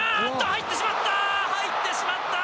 入ってしまった。